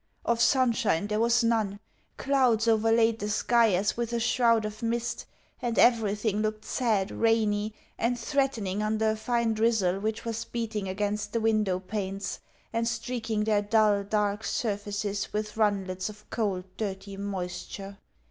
Of sunshine there was none. Clouds overlaid the sky as with a shroud of mist, and everything looked sad, rainy, and threatening under a fine drizzle which was beating against the window panes, and streaking their dull, dark surfaces with runlets of cold, dirty moisture.